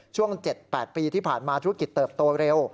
ช่วง๗๘ปีที่ผ่านมาธุรกิจเติบโตเร็ว